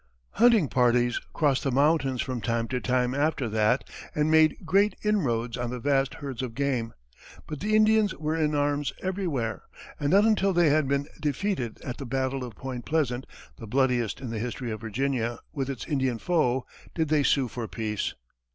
Hunting parties crossed the mountains from time to time after that, and made great inroads on the vast herds of game, but the Indians were in arms everywhere, and not until they had been defeated at the battle of Point Pleasant, the bloodiest in the history of Virginia with its Indian foe, did they sue for peace.